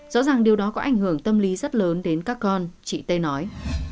rõ ràng điều đó có ảnh hưởng tâm lý rất lớn đến các con chị tê nói